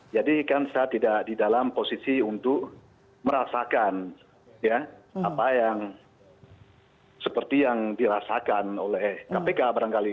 jadi kan saya tidak di dalam posisi untuk merasakan ya apa yang seperti yang dirasakan oleh kpk barangkali